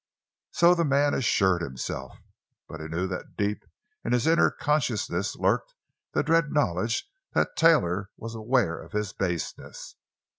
So the man assured himself. But he knew that deep in his inner consciousness lurked the dread knowledge that Taylor was aware of his baseness.